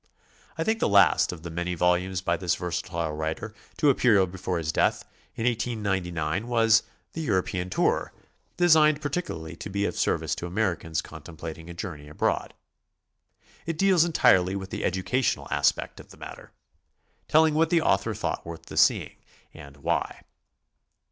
I think the last of the many vol umes by this versatile writer to appear before his death, in 1899, was "The European Tour," designed particularly to be of service to Americans contemplating a journey abroad. It deals entirely with the educational aspect of the matter, telling what the author thought worth the seeing, and why.